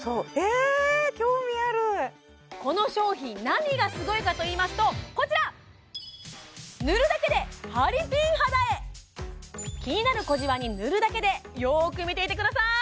この商品何がすごいかといいますとこちら気になる小じわに塗るだけでよーく見ていてください